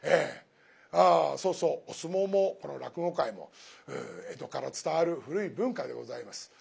そうそう相撲もこの落語界も江戸から伝わる古い文化でございます。